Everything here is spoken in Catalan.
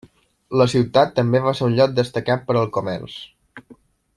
La ciutat també va ser un lloc destacat per al comerç.